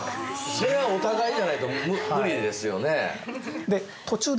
それはお互いじゃないと無理ですよね。